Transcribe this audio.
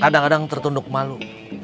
kadang kadang tertunduk malu